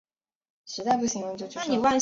这也是齐达内最后的幕前演出。